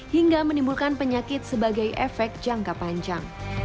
hingga menimbulkan penyakit sebagai efek jangka panjang